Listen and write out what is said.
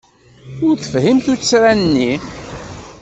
Ur tefhim tuttra-nni.